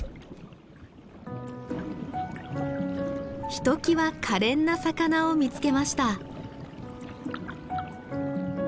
ひときわ可憐な魚を見つけました。